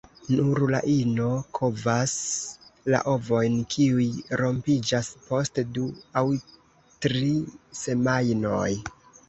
Nur la ino kovas la ovojn, kiuj rompiĝas post du aŭ tri semajnoj.